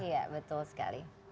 iya betul sekali